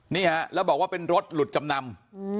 นี่ฮะแล้วบอกว่าเป็นรถหลุดจำนำ